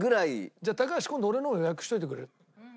じゃあ高橋今度俺のも予約しておいてくれる？